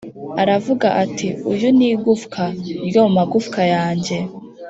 Aravuga ati Uyu ni igufwa ryo mu magufwa yanjye